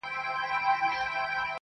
هسي نه چي دا یو ته په زړه خوږمن یې -